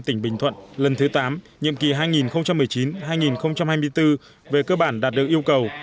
tỉnh bình thuận lần thứ tám nhiệm kỳ hai nghìn một mươi chín hai nghìn hai mươi bốn về cơ bản đạt được yêu cầu